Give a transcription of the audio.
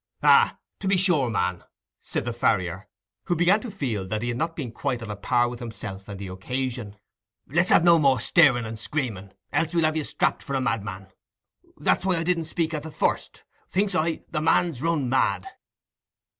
"Ah, to be sure, man," said the farrier, who began to feel that he had not been quite on a par with himself and the occasion. "Let's have no more staring and screaming, else we'll have you strapped for a madman. That was why I didn't speak at the first—thinks I, the man's run mad."